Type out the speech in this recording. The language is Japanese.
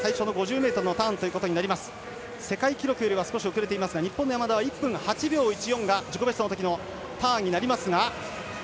世界記録よりは少し遅れていますが日本の山田は１分８秒１４が自己ベストのターンになりますが。